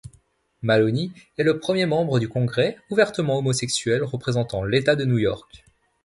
Maloney est le premier membre du Congrès ouvertement homosexuel représentant l’État de New York.